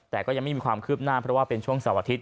แต่ก็ยังไม่มีความคืบหน้าเพราะว่าเป็นช่วงเสาร์อาทิตย